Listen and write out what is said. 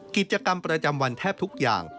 กิจกรรมประจำวันแทบทุกอย่าง